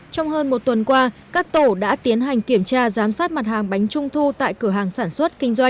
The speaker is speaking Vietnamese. trong hơn một tuần qua các tổ đã tiến hành kiểm tra giám sát mặt hàng bánh trung thu tại cửa hàng sản xuất kinh doanh